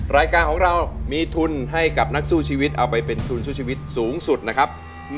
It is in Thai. รายการของเรามีทุนให้กับนักสู้ชีวิตเอาไปเป็นทุนสู้ชีวิตสูงสุดนะครับ